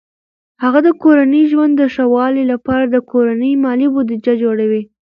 هغه د کورني ژوند د ښه والي لپاره د کورني مالي بودیجه جوړوي.